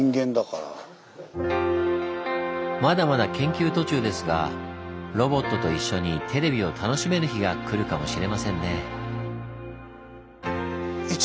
まだまだ研究途中ですがロボットと一緒にテレビを楽しめる日が来るかもしれませんね。